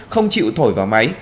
không chịu thổi vào máy